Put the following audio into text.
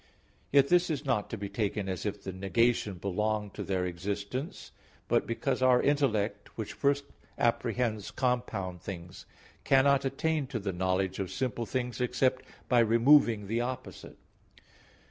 Yet this is not to be taken as if the negation belonged to their essence, but because our intellect which first apprehends compound things, cannot attain to the knowledge of simple things except by removing the opposite.